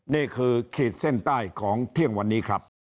ขีดเส้นใต้ของเที่ยงวันนี้ครับ